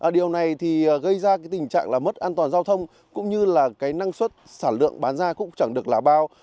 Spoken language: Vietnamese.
điều này thì gây ra tình trạng mất an toàn giao thông cũng như là năng suất sản lượng bán ra cũng chẳng được là bao